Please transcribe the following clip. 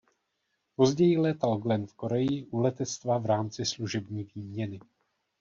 Později létal Glenn v Koreji u letectva v rámci služební výměny.